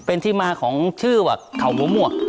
เป็นที่มาของชื่อว่าเขาหัวหมวก